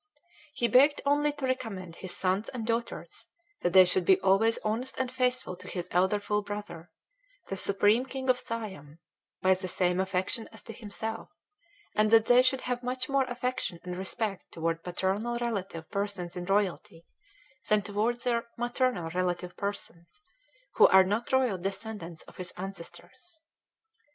He beg'd only to recommend his sons and daughters, that they should be always honest and faithful to his elder full brother, the Supreme King of Siam, by the same affection as to himself, and that they should have much more affection and respect toward Paternal relative persons in royalty, than toward their maternal relative persons, who are not royal descendants of his ancestors....